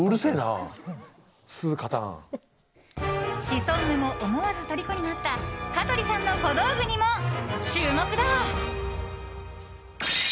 シソンヌも思わずとりこになった香取さんの小道具にも注目だ。